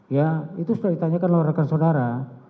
ya itu sudah ditanyakan oleh rekan saudara